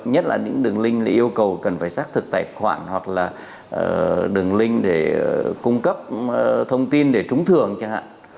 nhất là những đường link thì yêu cầu cần phải xác thực tài khoản hoặc là đường link để cung cấp thông tin để trúng thường chẳng hạn